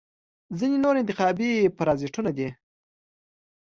ځینې نور انتخابي پرازیتونه دي.